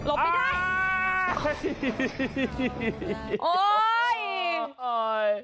โอ้โหย